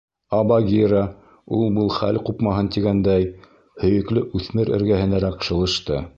Ә Багира, ул-был хәл ҡупмаһын тигәндәй, һөйөклө үҫмер эргәһенәрәк шылышты.